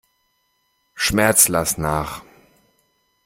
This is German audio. Schmerz, lass nach!